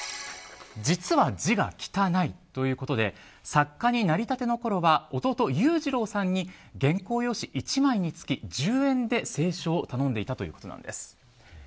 実は、字が汚いということで作家になりたてのころは弟・裕次郎さんに原稿用紙１枚につき１０円で清書を頼んでいたということなんです。